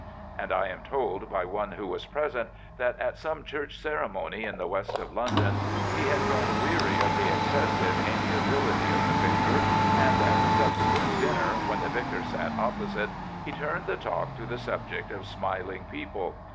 Shd I am told by one who was present that at some Church ceremony in the West of London he had grown weary of the excessive an^bility of the vicar, and at the subsequent dinner, "^en the vicar sat opposite, he turned the talk to the subject of smiling people.